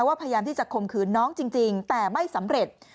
พยายามที่จะข่มขืนน้องจริงแต่ไม่สำเร็จ